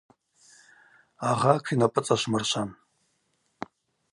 Агъа тшинапӏыцӏашвмыршван.